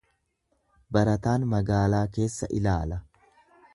Barataan magaalaa keessa ilaala.